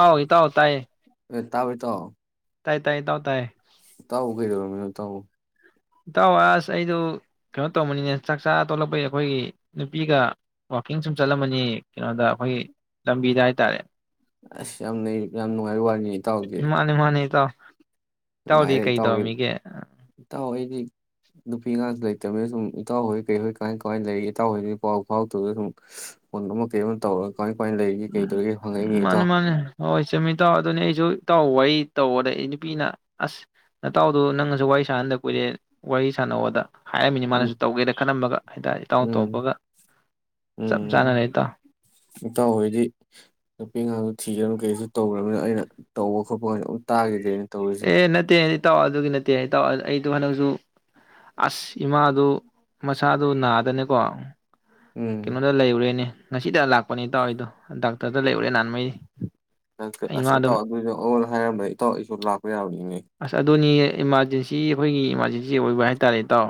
ꯑꯥꯎ ꯏꯇꯥꯏ ꯇꯥꯌꯦ꯫ ꯑꯦ ꯇꯥꯕꯔꯣ ꯏꯇꯥꯑꯣ? ꯇꯥꯏ- ꯇꯥꯏ ꯏꯇꯥꯎ ꯇꯥꯏꯌꯦ꯫ ꯏꯇꯥꯑꯣꯕꯨ ꯀꯩꯗꯧꯔꯝ ꯃꯤꯅꯣ ꯏꯇꯥꯎꯕꯨ? ꯏꯇꯥꯎꯋꯥꯁ ꯑꯩꯗꯨ ꯀꯩꯅꯣ ꯇꯧꯃꯅꯤꯅꯦ ꯆꯥꯛꯆꯥꯥ ꯇꯣꯂꯛꯄꯩ ꯑꯩꯈꯣꯏꯒꯤ ꯅꯨꯄꯤꯒ ꯋꯥꯋꯥꯛꯀꯤꯡ ꯁꯨꯝ ꯆꯠꯂꯝꯃꯅꯤ ꯀꯩꯅꯣꯗ ꯑꯩꯈꯣꯏꯒꯤ ꯂꯝꯕꯤꯗ ꯍꯥꯏꯇꯥꯔꯦ ꯑꯁ ꯌꯥꯝꯅ ꯌꯥꯝ ꯅꯨꯡꯉꯥꯏꯕ ꯋꯥꯔꯤꯅꯤ ꯏꯇꯥꯎꯗꯤ꯫ ꯃꯥꯅꯦ ꯃꯥꯅꯦ ꯏꯇꯥꯎ ꯏꯇꯥꯎꯗꯤ ꯅꯨꯡꯉꯥꯏ ꯔꯦ ꯀꯩ ꯏꯇꯥꯎꯒꯤ ꯇꯧꯔꯝꯃꯤꯒꯦ ꯏꯇꯥꯎ ꯑꯩꯗꯤ ꯅꯨꯄꯤ ꯑꯉꯥꯡ ꯂꯩꯇꯕꯅꯤꯅ ꯁꯨꯝ ꯏꯇꯥꯎꯍꯣꯏ ꯀꯩꯍꯣꯏ ꯀꯃꯥꯏ ꯀꯃꯥꯏꯅ ꯂꯩ ꯏꯇꯥꯎꯍꯣꯏ ꯄꯥꯎ ꯐꯥꯎꯇꯒ ꯁꯨꯝ ꯐꯣꯟ ꯑꯃ ꯀꯩ ꯑꯃ ꯇꯧꯔꯒ ꯀꯃꯥꯏ ꯀꯃꯥꯏꯅ ꯂꯩꯔꯤꯒꯦ ꯀꯩꯗꯧꯔꯤꯒꯦ ꯍꯪꯉꯛꯏꯅꯦ ꯎ ꯃꯅꯦ ꯏꯇꯥꯎ - ꯃꯥꯅꯦ ꯍꯣꯏ ꯆꯃꯤ ꯑꯗꯨꯅꯤ ꯑꯩꯖꯨ ꯅꯇꯥꯎ ꯋꯥꯔꯤ ꯇꯧꯗ ꯑꯩ ꯅꯨꯄꯤꯅ ꯑꯁ ꯅꯇꯥꯎꯗꯨ ꯅꯪꯅꯁꯨ ꯋꯥꯔꯤ ꯁꯥꯅꯍꯟꯗ ꯀꯨꯏꯔꯦ ꯋꯥꯔꯤ ꯁꯥꯟꯅꯧꯗ꯫ ꯍꯥꯏꯔꯝꯃꯤꯅꯤ ꯎꯝ ꯃꯥꯅꯁꯨ ꯇꯧꯒꯦꯅ ꯈꯜꯂꯝꯕꯒ ꯍꯥꯏꯇꯥꯔꯦ ꯏꯇꯥꯎꯅ ꯎꯝ ꯇꯧꯔꯛꯄꯒ ꯆꯞ ꯆꯥꯅꯔꯦ ꯏꯇꯥꯎ꯫ ꯍꯥꯏꯗꯤ ꯅꯨꯄꯤ ꯑꯉꯥꯡꯁꯨ ꯊꯤꯔꯝꯅꯤꯅꯥ ꯀꯩꯁꯨ ꯇꯧꯈ꯭ꯔꯕꯅꯤꯅ ꯑꯩꯅ ꯇꯧꯕ ꯈꯣꯠꯄ ꯃꯣꯏ ꯑꯃꯨꯛ ꯇꯥꯈꯤꯗꯦꯅ ꯇꯧꯔꯤꯁꯦ꯫ ꯑꯦ ꯅꯠꯇꯦ ꯏꯇꯥꯎ ꯑꯗꯨꯒꯤ ꯅꯠꯇꯦ ꯑꯩ ꯏꯇꯥꯎ ꯑꯩꯗꯣ ꯍꯟꯗꯛꯁꯨ ꯑꯁ ꯏꯃꯥꯗꯨ ꯃꯁꯥꯗꯨꯣ ꯅꯥꯗꯅꯦꯀꯣ ꯎꯝ ꯀꯩꯅꯣꯇ ꯂꯩꯔꯨꯔꯦꯅꯦ ꯉꯁꯤꯗ ꯂꯥꯛꯄꯅꯦ ꯏꯇꯥꯎ ꯑꯩꯗꯣ ꯗꯥꯛꯇꯔꯗ ꯂꯩꯔꯨꯔꯦ꯫ ꯅꯍꯥꯟꯃꯩ ꯑꯁ ꯏꯃꯥꯗꯣ ꯏꯇꯥꯑꯣ ꯗꯨ ꯑꯣ ꯍꯥꯏꯔꯝꯃꯦ꯫ ꯑꯩꯗꯣ ꯂꯥꯛꯄ ꯌꯥꯕꯅꯤ꯫ ꯑꯁ ꯑꯗꯨꯅꯤꯅꯦ꯫ ꯏꯃꯥꯔꯖꯦꯟꯁꯤ ꯑꯩꯈꯣꯏꯒꯤ ꯏꯃꯥꯔꯖꯦꯟꯁꯤ ꯑꯣꯏꯕ ꯍꯥꯏꯇꯥꯔꯦ ꯏꯇꯥꯎ꯫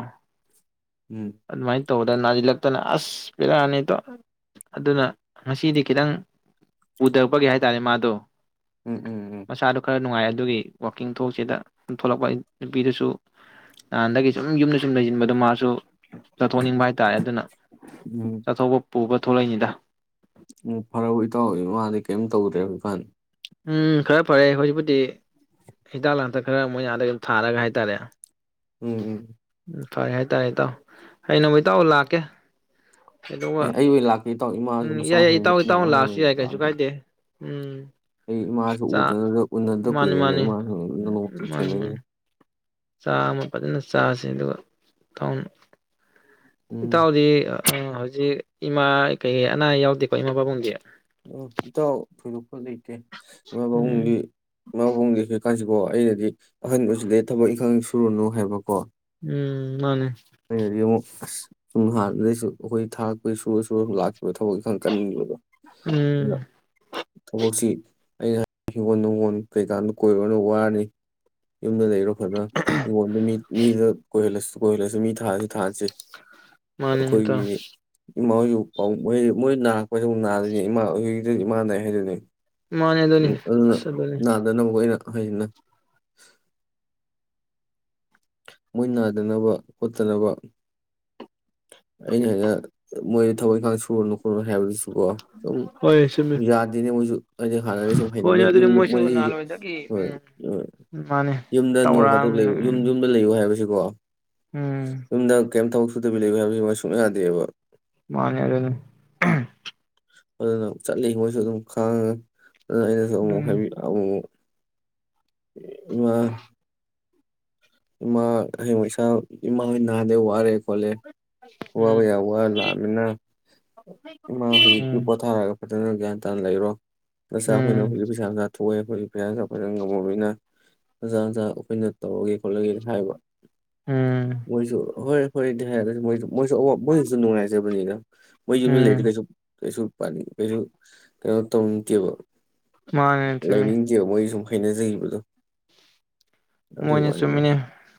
ꯎꯝ ꯑꯗꯨꯃꯥꯏ ꯇꯧꯗꯅ ꯅꯥꯁꯤꯜꯂꯛꯇꯅ ꯑꯁ ꯕꯦꯔꯥꯅꯤꯗꯣ ꯑꯗꯨꯅ ꯉꯁꯤꯗꯤ ꯈꯤꯇꯪ ꯄ ꯍꯥꯏꯇꯥꯔꯦ ꯃꯥꯗꯣ꯫ ꯎꯝ ꯎꯝ ꯎꯝ ꯃꯁꯥꯁꯨ ꯈꯔ ꯅꯨꯡꯉꯥꯏꯔꯦ꯫ ꯑꯗꯨꯒꯤ ꯋꯥꯛꯀꯤꯡ ꯊꯣꯛꯁꯤꯗ ꯊꯣꯛꯂꯛꯄ ꯅꯨꯄꯤꯗꯨꯁꯨ ꯅꯍꯥꯟꯗꯒꯤ ꯁꯨꯝ ꯌꯨꯝꯗ ꯁꯨꯝ ꯂꯩꯁꯤꯟꯕꯗꯣ ꯃꯥꯁꯨ ꯆꯠꯊꯣꯛꯅꯤꯡꯕ ꯍꯥꯏꯇꯥꯔꯦ ꯑꯗꯨꯅ ꯎꯝ ꯆꯠꯊꯧꯕ ꯄꯨꯕ ꯊꯣꯛꯂꯛꯏꯅꯤꯗ ꯎꯝ ꯐꯔꯥꯎ ꯏꯇꯥꯎ ꯏꯃꯥꯗꯤ ꯀꯔꯤꯝ ꯇꯧꯗ꯭ꯔꯦ ꯍꯧꯖꯤꯛꯀꯥꯟ ꯎꯝ ꯈꯔ ꯐꯔꯦ ꯍꯧꯖꯤꯛꯄꯨꯗꯤ ꯍꯤꯗꯥꯛ ꯂꯥꯡꯊꯛ ꯈꯔ ꯃꯣꯏꯅ ꯑꯗꯩ ꯑꯗꯨꯝ ꯊꯥꯔꯒ ꯍꯥꯏꯇꯥꯔꯦ ꯎꯝ ꯎꯝ ꯐꯔꯦ ꯍꯥꯏꯇꯥꯔꯦ ꯏꯇꯥꯎ [unintelligible] ꯏꯇꯥꯎ ꯂꯥꯛꯀꯦ ꯑꯗꯨꯒ ꯑꯩꯑꯣꯏꯂꯥꯛ ꯏꯇꯥꯎ ꯏꯃꯥꯁꯨ ꯎꯝ ꯃꯆꯥ ꯌꯥꯏ ꯌꯥꯏ ꯍꯪꯕ ꯏꯇꯥꯎ [unintelligible] ꯏꯇꯥꯎꯅ ꯑꯣꯏ ꯂꯥꯛꯑꯁꯨ ꯌꯥꯏ ꯀꯩꯁꯨ ꯂꯥꯛꯒꯦ ꯀꯥꯏꯗꯦ ꯎꯝ ꯑꯩ ꯏꯃꯥꯁꯨ ꯆꯥ ꯎꯗ ꯎꯅꯗ ꯃꯥꯅꯤ ꯀꯨꯏꯔꯦꯅꯦ ꯃꯥꯅꯤ ꯏꯃꯥꯁꯨ ꯅꯣꯡꯃꯇ ꯊꯦꯡꯅꯗꯦ ꯆꯥꯛ ꯑꯃ ꯐꯖꯅ ꯆꯥꯁꯤ ꯑꯗꯨꯒ [unintelligible] ꯎꯝ ꯏꯇꯥꯎꯗꯤ ꯑ ꯍꯧꯖꯤꯛ ꯏꯃꯥ ꯀꯩꯀꯩ ꯑꯅꯥ ꯑꯌꯦꯛ ꯌꯥꯎꯗꯦꯀꯣ ꯏꯃꯥ ꯄꯥꯕꯨꯡꯗꯤ ꯑꯣ ꯏꯇꯥꯎ [unintelligible] ꯂꯩꯇꯦ ꯎꯝ [unintelligible] ꯀꯥꯟꯁꯤꯀꯣ ꯑꯩꯅꯗꯤ ꯑꯍꯟꯕꯁꯨ ꯂꯩ ꯊꯕꯛ ꯏꯈꯥꯡ ꯁꯨꯔꯅꯨ ꯍꯥꯏꯕꯀꯣ ꯎꯝ ꯃꯥꯅꯦ ꯑꯩꯅꯗꯤ ꯑꯃꯨꯛ ꯑꯁ ꯁꯨꯝ ꯍꯥꯟꯅꯗꯩꯁꯨ ꯑꯈꯣꯏ ꯊꯥꯛꯄꯩ ꯁꯨꯔ ꯁꯨꯔ ꯂꯥꯛ ꯊꯕꯛ ꯏꯟꯈꯥꯡ ꯀꯟꯕꯗꯣ ꯑꯗꯨꯅ ꯎꯝ ꯊꯕꯛꯁꯤ ꯑꯩꯅ ꯍꯤꯡꯒꯣꯜ ꯅꯨꯡꯒꯣꯜ ꯀꯩꯀꯥꯟꯗ ꯀꯣꯏꯔꯣꯅ ꯋꯥꯔꯅꯤ ꯌꯨꯝꯗ ꯂꯩꯔꯣ [unintelligible] ꯍꯥꯡꯒꯣꯟꯗꯨ ꯃꯤ ꯃꯤꯗ ꯀꯣꯏꯍꯜꯂꯁꯤ ꯀꯣꯏꯔꯁꯨ ꯃꯤ ꯍꯥꯏ ꯊꯥꯁꯦ ꯃꯥꯅꯦ ꯏꯇꯥꯎ ꯑꯈꯣꯏꯒꯤ ꯏꯃꯥ ꯍꯣꯏꯁꯨ [unintelligible] ꯃꯣꯏ ꯅꯥꯔꯛꯄꯗ [unintelligible] ꯍꯣꯏ ꯏꯃꯥꯟꯅꯩ ꯍꯥꯏꯗꯨꯅꯤ ꯃꯥꯅꯦ ꯑꯗꯨꯅꯤ ꯎ ꯑꯗꯨꯅ ꯑꯁ ꯑꯗꯨꯅꯤ ꯅꯥꯗꯅꯕ ꯑꯩꯅ [unintelligible] ꯃꯣꯏ ꯅꯥꯗꯅꯕ ꯈꯣꯠꯇꯅꯕ ꯑꯩꯅ [unintelligible] ꯃꯣꯏꯗ ꯊꯕꯛ ꯏꯪꯈꯥꯡ ꯁꯨꯔꯅꯨ ꯈꯣꯠꯂꯨ ꯍꯥꯏꯕꯗꯨꯁꯨ ꯀꯣ ꯁꯨꯝ ꯍꯣꯏ ꯆꯨꯝꯃꯤ ꯌꯥꯗꯦꯅꯦ ꯃꯣꯏꯁꯨ ꯍꯥꯏꯗꯤ ꯍꯥꯟꯅꯗꯤ ꯁꯨꯝ ꯍꯣꯏꯅꯦ ꯍꯩꯅꯩ ꯑꯗꯨꯗꯤ ꯌꯨꯝ ꯃꯣꯏꯁꯨ ꯃꯣꯏꯁꯤ ꯅꯍꯥꯟꯋꯥꯏꯗꯒꯤ ꯎꯝ ꯃꯥꯅꯦ ꯌꯨꯝꯗ ꯅꯣꯡ ꯐꯥꯗꯣꯛ ꯇꯧꯔꯛꯑꯕꯅꯤꯅ ꯂꯩꯌꯨ ꯌꯨꯝ ꯎꯝ ꯌꯨꯝꯗ ꯂꯩꯌꯨ ꯍꯥꯏꯕꯁꯤ ꯑꯣ ꯎꯝ ꯀꯦꯝꯇꯧ [unintelligible] ꯁꯨꯡꯌꯥ ꯌꯥꯗꯦꯕ ꯃꯥꯅꯦ ꯑꯗꯨꯅꯦ ꯑꯗꯨꯅ ꯆꯠꯂꯤ ꯃꯣꯏꯁꯨ ꯑꯗꯨꯝ ꯈꯥꯡꯉꯦ꯫ ꯑꯗꯨ ꯑꯩꯅꯁꯨ ꯑꯃꯨꯛ ꯑꯗꯨꯅꯤ ꯍꯥꯏꯕꯤꯌꯨ ꯑꯃꯨꯛ ꯃꯥ ꯏꯃꯥ ꯍꯁꯥ ꯏꯃꯥꯍꯣꯏ ꯅꯥꯕꯅ ꯋꯥꯔꯦ ꯈꯣꯠꯂꯦ꯫ ꯋꯥꯕ ꯌꯥ ꯎꯝ ꯋꯥ ꯂꯥꯛꯑꯅꯤꯅ ꯏꯃꯥ ꯍꯧꯖꯤꯛꯇꯤ ꯎꯝ ꯄꯣꯊꯥꯔꯒ꯫ ꯐꯖꯅ ꯒ꯭ꯌꯥꯟ ꯇꯥꯅ ꯂꯩꯔꯣ꯫ ꯃꯆꯥ ꯑꯩꯈꯣꯏꯅ ꯍꯧꯖꯤꯛꯩꯥ ꯄꯩꯁꯥ ꯅꯨꯡ ꯊꯣꯛꯑꯦ ꯑꯩꯈꯣꯏ꯫ ꯄꯩꯌꯥꯖ ꯐꯖꯅ ꯉꯝꯃꯅꯤꯅ ꯑꯖꯥ ꯑꯖꯥ ꯑꯩꯈꯣꯏꯅ ꯇꯧꯔꯒꯦ ꯇꯧꯔꯒꯦ ꯍꯥꯏꯕ ꯎꯝ ꯃꯣꯏꯁꯨ ꯍꯣꯏ ꯍꯣꯏꯗꯤ ꯍꯥꯏꯔꯛꯅꯤ ꯃꯣꯏ ꯑꯗꯨꯝ ꯃꯣꯏꯁꯨ ꯑꯋꯥ ꯃꯣꯏꯁꯨ ꯅꯨꯡꯉꯥꯏꯖꯕꯅꯤꯅ ꯃꯣꯏ ꯌꯨꯝꯗ ꯎꯝ ꯂꯩꯔꯗꯤ ꯀꯩꯁꯨ ꯀꯩꯁꯨ ꯑꯩꯁꯨ ꯀꯩꯅꯣ ꯇꯧꯅꯤꯡꯗꯦꯕ ꯃꯥꯅꯦ ꯆꯨꯝꯃꯤ ꯂꯩꯥꯏꯅꯤꯡꯗꯦꯕ ꯃꯣꯏꯁꯨꯨꯝ ꯍꯥꯏꯅꯖꯑꯦꯕꯗꯨꯝ ꯑꯗꯨꯏ ꯋꯥꯅꯤ ꯃꯅꯤ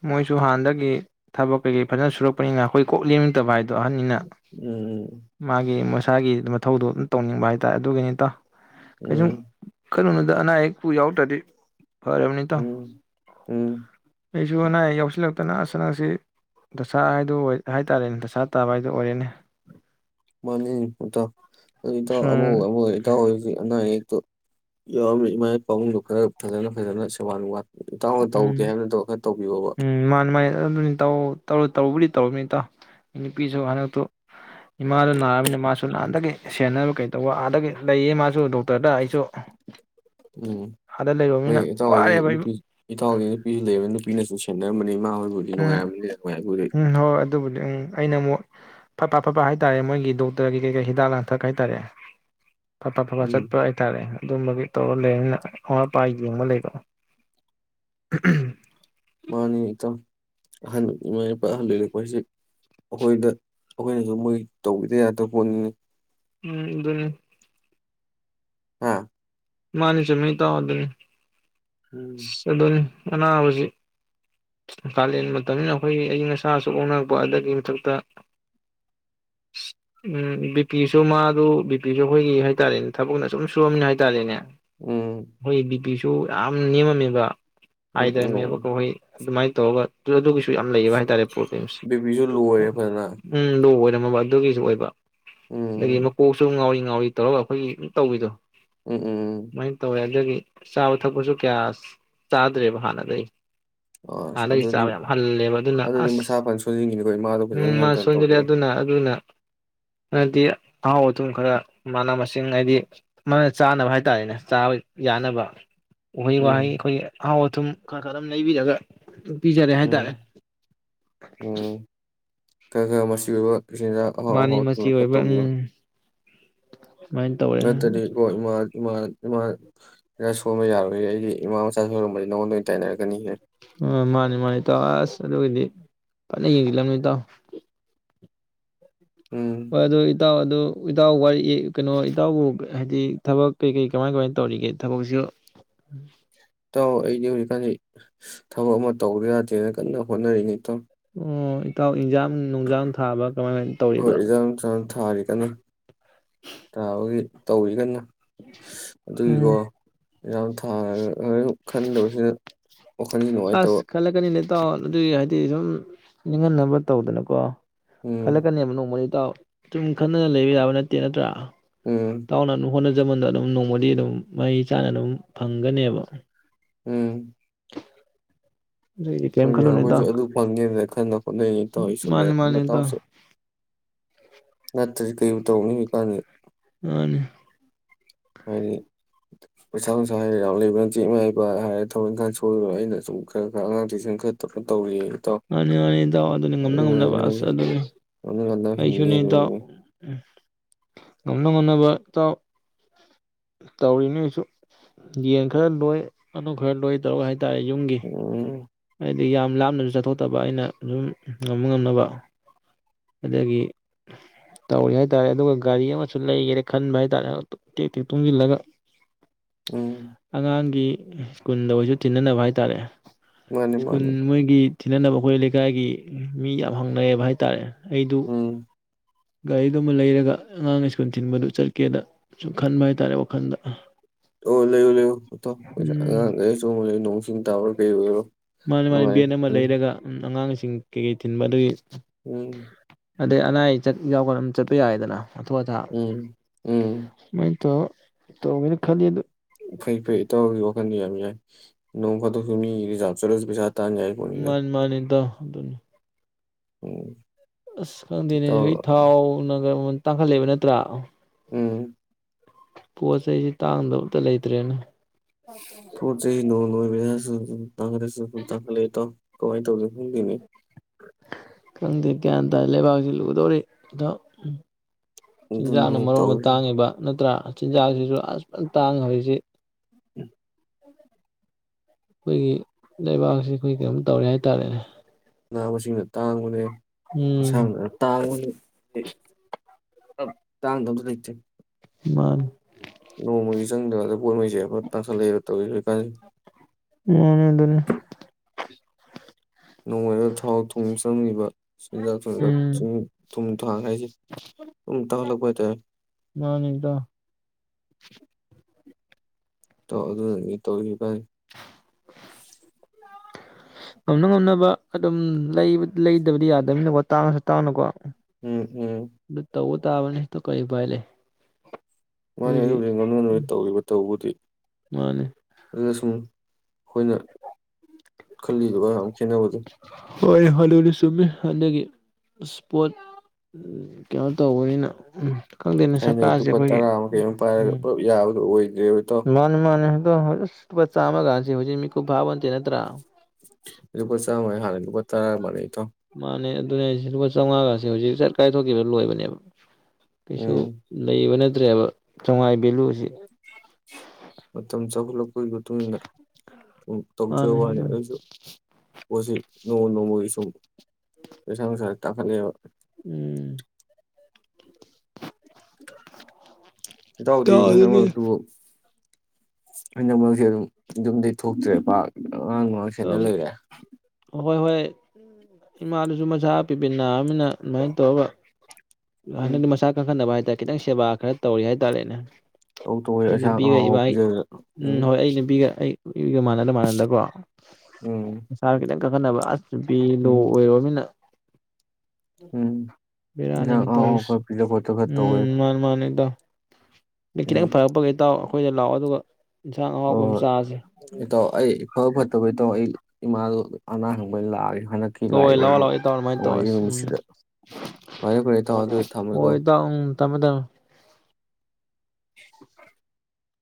ꯃꯣꯏꯁꯨ ꯍꯥꯟꯅꯗꯒꯤ ꯊꯕꯛ ꯀꯩꯀꯩ ꯐꯖꯅ ꯁꯨꯔꯛꯄꯅꯤꯅ ꯑꯩꯈꯣꯏ ꯀꯣꯛ ꯂꯦꯝꯅꯤꯡꯗꯕ ꯍꯥꯗꯣ꯫ ꯑꯍꯟꯅꯤꯅ ꯎꯝ ꯎꯝ ꯃꯥꯒꯤ ꯃꯁꯨ ꯃꯁꯥꯒꯤ ꯃꯊꯧꯗꯣ ꯑꯗꯨꯝ ꯇꯧꯅꯤꯡꯕ ꯍꯥꯏꯇꯥꯔꯦ ꯑꯗꯨꯒꯤꯅꯤꯇ ꯎꯝ ꯅꯨꯗ ꯑꯅꯥꯌꯦꯛꯛ ꯄꯨ ꯌꯥꯔꯛꯇꯔꯗꯤ ꯐꯔ ꯅꯤ ꯏꯇꯥꯎ ꯎꯝ ꯎꯝ ꯑꯩꯁꯨ ꯑꯅꯥ ꯑꯌꯦꯛ ꯌꯥꯎꯁꯤꯜꯂꯛꯇꯅ ꯍꯟꯗꯛꯁꯤ ꯗꯁꯥ ꯍꯥꯏꯗꯣ ꯍꯥꯏꯇꯥꯔꯦꯅꯦ ꯗꯁꯥ ꯇꯥꯕ ꯍꯥꯏꯗꯣ ꯑꯣꯏꯔꯦꯅꯦ꯫ ꯃꯥꯅꯤ ꯏꯇꯥꯎ ꯑꯗꯨ ꯏꯇꯥꯎ ꯑꯃꯕꯨ ꯎꯝ ꯑꯃꯕꯨ ꯑꯣꯏꯔꯦ ꯏꯇꯥꯎ ꯍꯧꯁꯨ ꯑꯅꯥ ꯑꯌꯦꯛ ꯌꯥꯎꯃꯤ ꯏꯃꯥ ꯄꯥꯕꯨꯡꯗꯨ ꯈꯔ ꯐꯖꯅ - ꯐꯖꯅ ꯁꯦꯕꯥꯟ ꯅꯥꯡꯕ ꯇꯧ꯫ ꯏꯇꯥꯎꯅ ꯎꯝ ꯇꯧꯒꯦ ꯍꯥꯏꯕ ꯅꯠꯇꯕ ꯈꯔ ꯇꯧꯕꯤꯌꯣꯕ꯫ ꯎꯝ ꯃꯥꯅꯤ ꯃꯥꯅꯤ ꯑꯗꯨꯅꯤ ꯏꯇꯥꯎ ꯇꯧꯕꯨꯗꯤ ꯇꯧꯔꯤꯅꯤ ꯏꯇꯥꯎ ꯅꯨꯄꯤꯁꯨ ꯍꯟꯗꯛꯇꯣ꯫ ꯏꯃꯥꯗꯣ ꯅꯥꯔꯃꯤꯅꯤ ꯃꯥꯁꯨ ꯂꯅꯥꯥꯟꯗꯒꯤ꯫ ꯁꯦꯟꯅ ꯀꯩ꯫ ꯇꯕ ꯑꯥꯗ ꯂꯩꯌꯦ ꯃꯥꯁꯨ ꯗꯨꯝ [unintelligible] ꯎꯝ ꯍꯣꯏ ꯏꯇꯥꯎ ꯋꯥꯔꯦꯕ ꯏꯕꯨ [unintelligible] ꯏꯇꯥꯎꯗꯤ ꯅꯨꯄꯤꯁꯨ ꯂꯩꯕꯅꯤ ꯅꯨꯄꯤꯅꯁꯨ ꯁꯦꯟꯅꯔꯝꯃꯅꯤ ꯏꯃꯥ ꯍꯣꯏꯕꯨꯗꯤ ꯎꯝ ꯅꯨꯡꯉꯥꯏꯔꯝꯅꯤ ꯅꯨꯉꯥꯏꯕꯨꯗꯤ ꯎꯝ ꯍꯣꯏ ꯎꯝ ꯑꯗꯨꯕꯨꯗꯤ ꯑꯩꯅ ꯑꯃꯨꯛ ꯐꯠꯐꯥ ꯐꯠꯐꯥ ꯍꯥꯏꯇꯥꯔꯦ ꯃꯣꯏꯒꯤ ꯗꯣꯛꯇꯔꯒꯤ ꯀꯩ ꯀꯩ ꯍꯤꯗꯥꯛ ꯂꯥꯡꯊꯛ ꯍꯥꯏꯇꯥꯔꯦ ꯐꯠꯐꯥ ꯐꯠꯐꯥ ꯎꯝ ꯆꯠꯄ ꯍꯥꯏꯇꯥꯔꯦ ꯑꯗꯨꯝꯕꯒꯤ ꯇꯧꯔ ꯂꯩꯕꯅꯤꯅ ꯑꯋꯥꯥꯠ ꯑꯄꯥ ꯌꯦꯡꯉ ꯂꯩꯕ ꯃꯥꯅꯤꯛ ꯏꯇꯥꯎ ꯑꯍꯟ ꯏꯃꯥ ꯏꯄꯥ ꯑꯍꯜ ꯂꯩꯔꯛꯄ ꯍꯥꯏꯁꯤ ꯑꯩꯈꯣꯏꯗ ꯑꯈꯣꯏꯅꯁꯨ ꯃꯣꯏ ꯇꯧꯕꯤꯗ ꯌꯥꯗ ꯄꯣꯠꯅꯤꯅꯦ ꯎꯝ ꯑꯗꯨꯅꯤ ꯑꯥ ꯃꯥꯅꯤ ꯆꯨꯝꯃꯤ ꯏꯇꯥꯎ ꯑꯗꯨꯅꯤ ꯎꯝ ꯑꯗꯨꯅꯤ ꯑꯅꯥꯕꯁꯤ ꯀꯥꯂꯦꯟ ꯃꯇꯝꯅꯤꯅ ꯑꯩꯈꯣꯏꯒꯤ ꯑꯌꯥꯡ ꯑꯁꯥꯁꯨ ꯑꯣꯟꯅꯔꯛꯄ ꯑꯗꯨꯒꯤ ꯃꯊꯛꯇ ꯕꯤꯄꯤꯁꯨ ꯃꯥꯗꯨ ꯕꯤꯄꯤꯁꯨ ꯑꯩꯈꯣꯏꯒꯤ ꯍꯥꯏꯇꯥꯔꯦꯅꯦ ꯊꯕꯛꯅ ꯁꯨꯝ ꯁꯨꯔꯝ ꯃꯤꯅ ꯍꯥꯏꯇꯥꯔꯦꯅꯦ ꯎꯝ ꯍꯣꯏ ꯕꯤꯄꯤ ꯁꯨꯨ ꯌꯥꯝ ꯅꯤꯃꯝꯃꯤꯕ [unintelligible] ꯎꯝ ꯎꯝ ꯍꯣꯏ ꯑꯗꯨꯃꯥꯏ ꯇꯧꯔꯒ ꯑꯗꯨꯒꯤꯁꯨ [unintelligible] ꯕꯤꯄꯤꯁꯨ ꯂꯣ ꯑꯣꯏꯔꯦ ꯐꯖꯅ ꯑꯗꯨꯒꯤꯁꯨ ꯑꯣꯏꯕ [unintelligible] ꯎꯝ ꯃꯀꯣꯛꯁꯨ ꯉꯥꯎꯔꯤ ꯉꯥꯎꯔꯤ ꯉꯥꯎꯔꯤ ꯇꯧꯔꯒ ꯑꯩꯈꯣꯏꯒꯤ ꯇꯧꯕꯤꯗꯣ ꯎꯝ ꯎꯝ ꯎꯝ ꯁꯨꯃꯥꯏꯅ ꯇꯧꯋꯦ ꯑꯗꯨꯒꯤ ꯆꯥꯕ ꯊꯛꯄꯁꯨ ꯀꯌꯥ ꯆꯥꯗ꯭ꯔꯦꯕ ꯍꯥꯟꯅꯗꯩ ꯑꯁ ꯍꯥꯟꯗꯩ ꯑꯗꯨꯗꯤ ꯆꯥꯕ ꯌꯥꯝ ꯍꯜꯂꯦꯕ ꯑꯗꯨꯅ ꯑꯗꯨꯗꯤ ꯑꯁ ꯃꯁꯥ ꯐꯅ ꯁꯣꯟꯖꯤꯟꯈꯤꯅꯤꯀꯣ ꯏꯃꯥꯗꯣ ꯎꯝ ꯐꯖꯅ ꯃꯥ ꯅꯪꯇꯅ ꯁꯣꯟꯖꯔꯦ ꯇꯧꯕꯤꯌꯨ ꯑꯗꯨꯅ ꯑꯗꯨꯅ ꯍꯥꯏꯗꯤ ꯑꯍꯥꯎ ꯑꯊꯨꯝ ꯈꯔ ꯃꯅꯥ ꯃꯁꯤꯡ ꯍꯥꯏꯗꯤ ꯃꯥ ꯆꯥꯅꯕ ꯍꯥꯏ ꯍꯥꯏꯇꯥꯔꯦꯅꯦ ꯆꯥꯕ ꯌꯥꯅꯕ ꯎꯍꯩ ꯋꯥꯍꯩ ꯎꯝ ꯑꯈꯣꯏ ꯑꯍꯥꯎ ꯑꯗꯨꯝ ꯈꯔ ꯈꯔ ꯑꯗꯨꯝ ꯂꯩꯕꯤꯔꯒ ꯄꯤꯖꯔꯦ ꯎꯝ ꯍꯥꯏꯇꯥꯔꯦ ꯈ ꯈ ꯃꯁꯤ ꯑꯣꯏꯕ ꯁꯤꯗ ꯑꯥꯍꯥꯎ ꯃꯥꯅꯤ ꯑꯍꯥꯎ ꯃꯆꯤ [unintelligible] ꯈꯔ ꯑꯣꯏꯕ ꯇꯧꯕꯤꯌꯨ ꯎꯝ ꯁꯨꯃꯥꯏꯅ ꯇꯧꯔꯦ ꯅꯠꯇꯗꯤ ꯑ ꯍꯣꯏ ꯃꯥ ꯏꯃꯥ ꯏꯃꯥ [unintelligible] ꯁꯣꯟꯕ ꯌꯥꯔꯣꯏ ꯑꯩꯗꯤ ꯏꯃꯥ ꯃꯁꯥ ꯁꯣꯟꯕ ꯅꯪꯉꯣꯟꯗ ꯑꯣꯏꯅ ꯇꯥꯏꯅꯔꯛꯀꯅꯤꯍꯦ ꯑ ꯃꯥꯅꯤ ꯃꯥꯅꯤ ꯇꯥꯎ ꯑꯁ ꯑꯗꯨꯒꯤꯗꯤ ꯀꯟꯅ ꯌꯦꯡꯁꯤꯜꯂꯝꯅꯤ ꯏꯇꯥꯎ ꯎꯝ ꯑꯗꯨ ꯏ ꯏꯇꯥꯎ ꯑꯗꯨ ꯏꯇꯥꯎ ꯋꯥꯔꯤ ꯀꯩꯅꯣ ꯏꯇꯥꯎꯕꯨ ꯍꯥꯏꯗꯤ ꯊꯕꯛ ꯀꯩ ꯀꯩ ꯀꯃꯥꯏ ꯀꯃꯥꯏ ꯇꯧꯔꯤꯒꯦ ꯊꯕꯛꯁꯨ ꯇꯥꯎ ꯑꯩꯗꯤ ꯍꯧꯖꯤꯛꯀꯥꯟꯗꯤ ꯊꯕꯛ ꯑꯃ ꯇꯧꯗ ꯌꯥꯗꯦꯅ ꯀꯟꯅ ꯍꯣꯠꯅꯔꯤꯅꯤ ꯇꯧ ꯑꯣ ꯏꯀꯥꯎ ꯏꯖꯥꯛ ꯍꯣꯏ ꯏꯟꯖꯥꯡ ꯆꯥꯡ ꯊꯥꯔꯤ ꯀꯟꯅ ꯊꯥꯕꯒꯤ ꯇꯧꯤꯒꯅ ꯎꯝ ꯑꯗꯨꯒꯤꯀꯣ ꯌꯥꯝꯝ ꯊꯥꯔ ꯈꯟꯗꯕꯁꯤꯗ ꯋꯥꯈꯜꯁꯤ ꯅꯨꯡꯉꯥꯏꯇꯕ ꯑꯁ ꯈꯜꯂꯛꯀꯅꯤꯅꯦ ꯑꯗꯨꯒꯤ ꯍꯥꯏꯗꯤ ꯁꯨꯝ ꯅꯤꯡꯍꯟꯅꯕ ꯇꯧꯗꯅꯀꯣ ꯎꯝ ꯈꯜꯂꯛ ꯀꯅꯤꯦꯝꯅ ꯃꯅꯤ ꯇꯥꯎ ꯁꯨꯝ ꯈꯟꯗꯅ ꯂꯩꯕ ꯌꯥꯕ ꯅꯠꯇꯦ ꯅꯠꯇ꯭ꯔꯥ ꯎꯝ ꯏꯇꯥꯎꯅ ꯗꯨꯝ ꯍꫭꯠ ꯖꯃꯟꯗ ꯑꯗꯨꯝ ꯅꯣꯡꯃꯗꯤ ꯑꯗꯨꯝ ꯃꯍꯩ ꯆꯥꯅ ꯑꯗꯨꯝ ꯐꯪꯒꯅꯦꯕ ꯎꯝ ꯑꯗꯨꯒꯤꯗꯤ ꯀꯔꯤꯝ ꯍꯣꯏꯅꯦ ꯈꯜꯂꯨꯅꯨ ꯑꯩꯈꯣꯏꯁꯨ ꯏꯇꯥꯎ ꯑꯗꯨ ꯐꯪꯒꯦꯅ ꯈꯟꯅ ꯍꯣꯠꯅꯔꯤꯅꯤ ꯇꯧꯁꯨ ꯃꯥꯅꯤ ꯃꯥꯅꯤ ꯅ ꯏꯇꯥꯎ ꯇꯧꯁꯨ ꯆꯠꯇ꯭ꯔꯗꯤ ꯀꯩꯕꯨ ꯇꯧꯅꯤ ꯍꯧꯖꯤꯛꯀꯥꯟꯗ ꯃꯅꯦ ꯍꯥꯏꯗꯤ ꯄꯩꯁꯥ ꯅꯨꯡꯁꯥ ꯍꯥꯏꯔ ꯌꯥꯝ ꯂꯩꯕ꯭ꯔꯅ ꯆꯦꯛ ꯃꯥꯏꯕ ꯍꯥꯏꯔꯦ ꯊꯕꯛ ꯏꯪꯈꯥꯡ ꯁꯣꯏꯔꯣ ꯑꯩꯅ ꯁꯨꯝ ꯈꯔ ꯈꯔ ꯑꯉꯥꯡ ꯇꯁꯟ ꯈꯠꯇꯧꯅ ꯇꯧꯔꯤꯌꯦ ꯃꯥꯅꯤ ꯃꯥꯅꯤ ꯏꯇꯥꯎ ꯑꯗꯨꯅꯤ ꯉꯝꯅ ꯉꯝꯅꯕ ꯑꯁ ꯍꯥꯏꯁꯦ ꯑꯗꯨꯗꯤ ꯉꯝꯅ ꯉꯝꯅ ꯍꯤꯡꯉꯤ ꯑꯩꯁꯨꯅꯦ ꯏꯇꯥꯎ ꯑꯗꯨꯅꯤꯅꯦ ꯎ ꯉꯝꯅ ꯉꯝꯅꯕ ꯏꯇꯥꯎ ꯇꯧꯔꯤꯅꯤ ꯑꯩꯁꯨ ꯌꯦꯟ ꯈꯔ ꯂꯣꯏ ꯉꯥꯅꯨ ꯈꯔ ꯂꯣꯏ ꯇꯧꯔ ꯍꯥꯏ ꯇꯥꯏ ꯌꯨꯝꯒꯤ ꯎꯝ ꯍꯥꯏꯗꯤ ꯌꯥꯝ ꯂꯥꯞꯅꯁꯨ ꯆꯠꯊꯣꯛꯇꯕ ꯑꯩꯅ ꯑꯗꯨꯝ ꯉꯝꯅ ꯉꯝꯅꯕ ꯑꯗꯒꯤ ꯇꯧꯔꯦ ꯍꯥꯏ ꯇꯥꯔꯦ ꯑꯗꯨꯒ ꯒꯥꯔꯤ ꯑꯃꯁꯨ ꯂꯩꯒꯦꯅ ꯈꯟꯕ ꯍꯥꯏꯇꯥꯔꯦ ꯇꯦꯛ ꯇꯦꯛ ꯇꯨꯡꯁꯤꯜꯂꯒ ꯎꯝ ꯑꯉꯥꯡꯒꯤ ꯁ꯭ꯀꯨꯟꯗ ꯑꯣꯏꯁꯨ ꯊꯤꯟꯅꯅꯕ ꯍꯥꯏꯇꯥꯔꯦ ꯃꯥꯅꯤ ꯁ꯭ꯀꯨꯜ ꯃꯥꯅꯤ ꯃꯣꯏꯒꯤ ꯊꯤꯅꯅꯕ ꯑꯩꯈꯣꯏ ꯂꯩꯀꯥꯏꯒꯤ ꯃꯤ ꯌꯥꯝ ꯍꯪꯅꯩꯌꯦꯕ ꯍꯥꯏꯇꯥꯔꯦ ꯎꯝ ꯒꯥꯔꯤꯒꯨꯝꯕ ꯂꯩꯔꯒ ꯑꯉꯥꯡ ꯁ꯭ꯀꯨꯜ ꯊꯤꯟꯕꯗꯨ ꯆꯠꯀꯦꯅ ꯁꯨꯝ ꯈꯟꯕ ꯍꯥꯏꯇꯥꯔꯦ ꯋꯥꯈꯜꯗ ꯑꯣ ꯂꯩꯌꯣ ꯂꯩꯌꯣ ꯂꯩ [unintelligible] ꯆꯤꯡꯇꯥꯕꯔ ꯀꯩ ꯑꯣꯏꯔꯣ ꯃꯥꯅꯤ ꯃꯥꯅꯦ ꯅꯨꯡꯉꯥꯏ ꯕꯦꯟ ꯑꯃ ꯂꯩꯔꯒ ꯑꯉꯥꯡꯁꯤꯡ ꯆꯤꯡ ꯀꯩꯀꯩ ꯊꯤꯟꯕ ꯑꯗꯨꯒꯤ ꯎꯝ ꯑꯗꯩ ꯑꯅꯥ ꯑꯌꯦꯛ ꯆꯠ ꯌꯥꯎꯒꯠ ꯑꯃ ꯆꯠꯄ ꯌꯥꯏꯗꯅ ꯑꯊꯨ ꯑꯊꯥꯞ ꯎꯝ ꯎꯝ ꯃꯣꯏ ꯇ ꯏꯇꯥꯎꯕꯅ ꯈꯜꯂꯤꯗꫭ ꯐꯩ - ꯐꯩ ꯑꯦꯌꯥꯑꯣꯒꯤ ꯋꯥꯈꯟꯗꯤ ꯌꯥꯝ ꯌꯥꯏ꯫ ꯅꯣꯡ ꯐꯥꯗꯣꯛꯁꯨ ꯃꯤꯒꯤ ꯔꯤꯖꯥꯕ ꯆꯠꯂꯁꯨ ꯄꯩꯁꯥ ꯇꯥꯟ ꯌꯥꯏ ꯄꯣꯠꯅꯤꯗ ꯃꯥꯅꯤ ꯃꯥꯅꯤ ꯏꯇꯥꯎ ꯫ ꯑꯗꯨꯅꯤ ꯎꯝ꯫ ꯑꯁ ꯈꯪꯗꯦꯅꯦ ꯇꯧ ꯊꯥꯎ ꯅꯒ ꯇꯥꯡꯈꯠꯂꯩꯕ ꯅꯠꯇ꯭ꯔꯥ? ꯎꯝ꯫ ꯄꯣꯠ ꯆꯩꯁꯤ ꯇꯥꯡꯗꯕꯇ ꯂꯩꯇ꯭ꯔꯦꯅꯦ꯫ ꯄꯣꯠ ꯆꯩꯁꯤ ꯅꯣꯡ ꯅꯣꯡꯃꯒꯤ ꯄꯩꯁꯥ ꯁꯨꯝ ꯁꯨꯝ ꯁꯨꯝ ꯇꯥꯡꯈꯠꯂꯦ ꯁꯨꯝ ꯇꯥꯡꯈꯠꯂꯦ ꯏꯇꯥꯎ ꯀꯃꯥꯏ ꯇꯧꯗꯣꯏꯅꯣ ꯈꯪꯗꯦꯃꯤ꯫ ꯈꯪꯗꯦ ꯒꯌ꯭ꯥꯟ ꯇꯥꯗꯦ ꯂꯩꯕꯥꯛꯁꯤ ꯂꯨꯒꯗꯧꯔꯤ꯫ ꯆꯤꯟꯖꯥꯛꯅ ꯑꯗꯨꯅꯤꯅꯦ ꯃꯔꯣꯟꯝ ꯇꯧꯔꯤꯁꯦ ꯇꯥꯡꯉꯤꯕ ꯅꯠꯇ꯭ꯔꯥ? ꯆꯤꯟꯖꯥꯛꯁꯤꯁꯨ ꯑꯁ ꯐꯖ ꯇꯥꯡꯅꯦ ꯍꯧꯖꯤꯛꯁꯦ꯫ [inaudible] ꯑꯩꯈꯣꯏꯒꯤ ꯂꯩꯕꯥꯛꯁꯤ ꯑꯩꯈꯣꯏ ꯀꯩꯅꯝ ꯇꯧꯔꯦ ꯍꯥꯏꯇꯥꯔꯦꯅꯦ꯫ ꯃꯅꯥ - ꯃꯁꯤꯡꯅ ꯇꯥꯡꯕꯅꯦ ꯎꯝ ꯏꯟꯁꯥꯡꯅꯒ ꯇꯥꯡꯕꯅꯦ ꯇꯥꯡꯗꯕ ꯂꯩꯇꯔ꯭ꯦ ꯫ ꯃꯥꯥꯅꯦ꯫ ꯅꯣꯡꯃꯒꯤ ꯆꯪꯗꯀꯥꯟꯗ ꯄꯣꯠꯉꯩꯁꯦꯐ ꯇꯥꯡꯈꯠꯂꯛꯑꯕ ꯇꯧꯋ ꯍꯧꯀꯥꯟꯁꯤ꯫ ꯎꯝ ꯑꯗꯨꯅꯤ꯫ ꯅꯣꯡꯃꯗ ꯊꯥꯎ ꯊꯨꯝ ꯆꯪꯉꯤꯕ꯫ ꯁꯤꯡꯖꯥꯛ ꯊꯨꯝꯖ ꯎꯝ ꯆ ꯊꯨꯝ ꯊꯥꯡ ꯍꯥꯏꯁꯦ ꯊꯨꯝ ꯇꯥꯍꯜꯂꯛꯄ [unintelligible] ꯃꯥꯅꯦ ꯏ ꯇꯥꯎ ꫰ ꯏ ꯇꯥꯎ [unintelligible] [unintelligible] ꯉꯝꯅ - ꯉꯝꯅꯕ ꯑꯗꯨꯝ ꯂꯩꯗꯕꯗꯤ ꯌꯥꯗꯝꯅꯤꯅ ꯇꯥꯡꯉꯁꯨ - ꯇꯥꯡꯅꯀꯣ꯫ ꯎꯝ - ꯎꯝ꯫ ꯑꯗꯨ ꯇꯧꯕ ꯇꯥꯕꯅꯤ ꯇ ꯀꯔꯤ ꯎꯄꯥꯏ ꯂꯩ꯫ ꯃꯥꯅꯦ ꯑꯩꯈꯣꯏꯒꯤ ꯑꯗꯨꯕꯨꯗꯤ ꯉꯥꯝꯅ - ꯉꯝꯅꯕ ꯇꯧꯔꯤꯕ ꯇꯩꯕꯨꯗꯤ ꯫ ꯃꯥꯅꯤ ꯑꯗꯨ ꯁꯨꯡ ꯑꯩꯈꯣꯏꯅ ꯈꯜꯂꯤꯗꯨꯒ ꯈꯦꯠꯅꯕꯗꯣ ꯍꯣꯏ ꯑꯗꯨꯖꯨ ꯆꯨꯝꯃꯤ ꯍꯟꯗꯛ ꯏꯁꯄꯣꯠ ꯀꯩꯅꯣ ꯇꯧꯕꯅꯤꯅ ꯈꯪꯗꯦꯅꯦ ꯊꯥꯏꯅꯩ ꯁꯔꯀꯥꯔꯁꯦ ꯂꯨꯄꯥ ꯑꯩꯈꯣꯏꯒꯤ ꯇꯔꯥ ꯑꯃ ꯀꯩ ꯑꯃ ꯄꯥꯏꯔꯒ ꯄꯨꯂꯞ ꯌꯥꯕꯗꯨ ꯑꯣꯏ ꯃꯥꯅꯦ- ꯃꯥꯅꯦ꯫ [unintelligible] ꯑꯁ ꯂꯨꯄꯥ ꯆꯥꯝꯃꯒꯁꯦ ꯍꯨꯖꯤꯛ ꯃꯤꯀꯨꯞ ꯐꯥꯕꯣꯟꯇꯦ ꯅꯠꯇꯔꯥ ꯂꯨꯄꯥ ꯆꯥꯝꯃ ꯍꯥꯟꯅꯗꯤ ꯑꯈꯣꯏ ꯇꯔꯥꯃꯔꯤ ꯃꯥꯅꯦ ꯗꯨꯅꯦ ꯍꯥꯏꯁꯦ ꯂꯨꯄꯥ ꯆꯧꯉꯥꯒꯁꯦ ꯍꯨꯖꯤꯛ ꯁꯠ ꯀꯥꯏꯊꯣꯛꯈꯤꯕ ꯂꯣꯏꯕꯅꯦꯕ ꯀꯩꯁꯨ ꯎꯝ ꯂꯩꯕ ꯅꯠ ꯇ꯭ꯔꯦꯕ ꯆꯧꯉꯥꯏ ꯚꯦꯂꯨꯖꯤ ꯃꯇꯝ [unintelligible] ꯃꯣꯏ ꯃꯇꯨꯡ ꯏꯟꯅ ꯎꯝ ꯇꯧꯖ ꯃꯥꯅꯦ ꯋꯥꯅꯤ ꯑꯗꯨ ꯑꯗꯣꯏꯁꯨ [unintelligible] ꯅꯣꯡꯃ ꯅꯣꯡꯃꯒꯤ ꯁꯨꯝ ꯄꯩꯁꯥ ꯅꯨꯡꯁꯥ ꯇꯥꯡꯈꯠꯂꯦꯕ ꯎꯝ [unintelligible] ꯏꯇꯥꯎꯗꯤ ꯏꯇꯥꯎ ꯍꯟꯗꯛ ꯑꯗꯨꯗꯤ ꯃꯔꯛꯇꯨ ꯍꯟꯗꯛ ꯃꯔꯛꯁꯦ ꯑꯗꯨꯝ ꯌꯨꯝꯗꯩ ꯊꯣꯛꯇ꯭ꯔꯦ ꯄꯥꯛ ꯑꯉꯥꯡ ꯅꯨꯡꯉꯥꯡ ꯁꯦꯟꯅ ꯂꯩꯔꯦ ꯍꯣꯏ ꯍꯣꯏ ꯏꯃꯥꯗꯨꯖꯨ ꯃꯁꯥ ꯄꯤꯕꯤꯠ ꯅꯥꯔꯝꯅꯤꯅ ꯑꯗꯨꯃꯥꯏꯅ ꯇꯧꯔꯒ ꯍꯟꯗꯛꯇꯤ ꯎꯝ ꯃꯁꯥ ꯀꯟꯈꯠꯅꯕ ꯍꯥꯏꯇꯥꯔꯦ ꯈꯤꯇꯪ ꯁꯦꯕꯥ ꯈꯔ ꯇꯧꯔꯤ ꯍꯥꯏꯇꯥꯔꯦꯅꯦ ꯇꯧ ꯇꯧꯒꯩ ꯑꯩ ꯑꯦꯟꯁꯥꯡ ꯅꯨꯄꯤꯒ ꯑꯍꯥꯎ ꯑꯍꯥꯎ ꯏꯕꯥꯏ ꯄꯤꯖꯗꯅ ꯎꯝ ꯍꯣꯏ ꯑꯩ ꯅꯨꯄꯤꯒ ꯑꯩ ꯏꯒ ꯃꯥꯟꯅꯗ ꯃꯥꯟꯅꯗꯀꯣ ꯎꯝ ꯃꯁꯥꯗꯣ ꯈꯤꯇꯪ ꯀꯟꯈꯠꯅꯕ ꯑꯁ ꯕꯤ ꯂꯣ ꯎꯝ ꯑꯣꯏꯔꯣꯝꯅꯤꯅ [unintelligible] ꯎꯝ ꯏꯟꯖꯥꯡ ꯑꯍꯥꯎ ꯑꯍꯥꯎꯕ ꯇꯧꯔꯤꯁꯦ ꯈꯔ ꯄꯤꯖ ꯈꯣꯠꯇ ꯈꯔ ꯇꯧꯍꯦ ꯅ ꯈꯤꯇꯪ ꯐꯔꯛꯄꯒ ꯏꯇꯥꯎ ꯈꯣꯏꯗ ꯂꯥꯛꯑꯣ ꯑꯗꯨꯒ ꯏꯟꯁꯥꯡ ꯑꯍꯥꯎꯕ ꯑꯝ ꯆꯥꯖꯦ ꯐꯕ ꯐꯠꯇꯕ ꯏꯇꯥꯎ ꯑꯩ ꯏꯃꯥꯗꯣ ꯑꯅꯥ ꯍꯪꯕ ꯑꯣꯏ ꯂꯥꯛꯑꯒꯦ ꯍꯟꯗꯛꯀꯤ ꯍꯣꯏ ꯂꯥꯛꯏꯕ ꯂꯥꯛꯑꯣ ꯂꯥꯛꯑꯣ ꯏꯇꯥꯎ ꯑꯗꯨꯃꯥꯏ ꯅꯣꯡꯃꯥꯏꯖꯤꯡ ꯇꯧꯔꯁꯤ ꯎꯝ ꯅꯨꯃꯤꯠꯁꯤꯗ ꯐꯔꯦ ꯐꯔꯦ ꯏꯇꯥꯎ ꯑꯗꯨꯗꯤ ꯊꯝꯃꯦꯀꯣ ꯍꯣꯏ ꯏꯇꯥꯎ ꯎꯝ ꯊꯝꯃ‌ꯣ ꯊꯝꯃ‌ꯣ